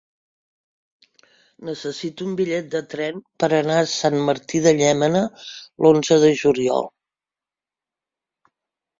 Necessito un bitllet de tren per anar a Sant Martí de Llémena l'onze de juliol.